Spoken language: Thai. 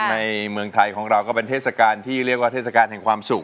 ในเมืองไทยของเราก็เป็นเทศกาลที่เรียกว่าเทศกาลแห่งความสุข